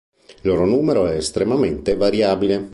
Il loro numero è estremamente variabile.